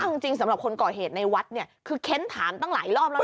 เอาจริงสำหรับคนก่อเหตุในวัดเนี่ยคือเค้นถามตั้งหลายรอบแล้วนะ